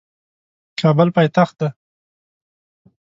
کابل پایتخت دی